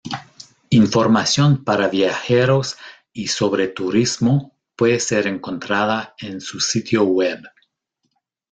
Información para viajeros y sobre turismo puede ser encontrada en su sitio web.